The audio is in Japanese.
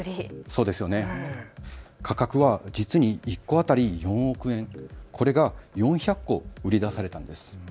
価格は実に１戸当たり４億円、これが４００戸売り出されたんです。